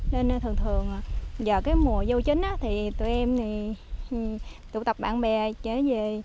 nên thường thường giờ cái mùa dâu chín á thì tụi em tụ tập bạn bè trở về